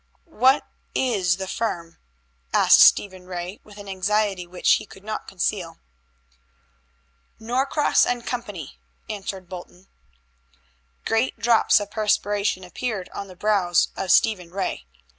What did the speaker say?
"What is the firm?" asked Stephen Ray with an anxiety which he could not conceal. "Norcross & Co.," answered Bolton. Great drops of perspiration appeared on the brows of Stephen Ray.